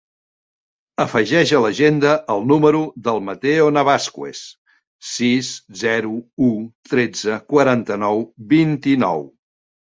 Afegeix a l'agenda el número del Matteo Navascues: sis, zero, u, tretze, quaranta-nou, vint-i-nou.